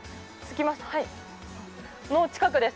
もう近くです。